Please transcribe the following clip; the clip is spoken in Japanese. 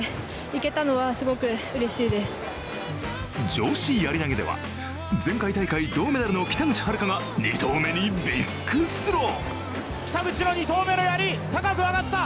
女子やり投げでは、前回大会銅メダルの北口榛花が２投目にビッグスロー。